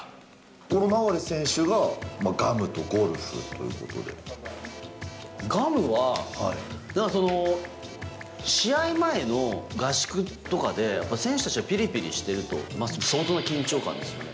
この流選手がガムとゴルフとガムは、試合前の合宿とかで、やっぱ選手たちはぴりぴりしてると思う、相当な緊張感ですよね。